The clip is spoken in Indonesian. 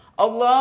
allahu akbar allah